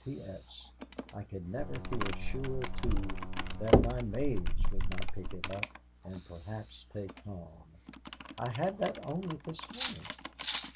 "'P.S. I could never feel sure, too, that my maids would not pick it up, and perhaps take harm.'. "I had that only this morning."